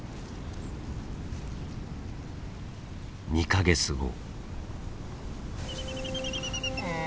２か月後。